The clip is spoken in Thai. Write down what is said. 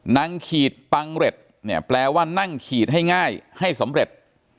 นังขีดปังเร็ดแปลว่านั่งขีดให้ง่ายให้สำเร็จ